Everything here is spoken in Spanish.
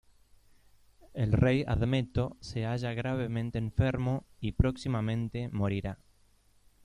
El rey Admeto se halla gravemente enfermo y próximamente morirá.